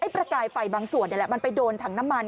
ประกายไฟบางส่วนนี่แหละมันไปโดนถังน้ำมัน